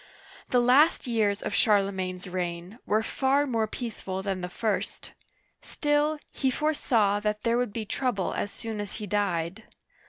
The last years of Charlemagne's reign were far more peaceful than the first ; still, he foresaw that there would be trouble as soon as he died.